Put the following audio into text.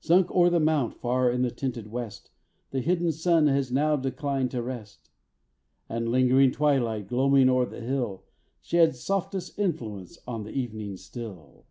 Sunk o'er the mount, far in the tinted west, The hidden sun has now declined to rest; And ling'ring twilight, gloaming o'er the hill, Sheds softest influence on the evening still.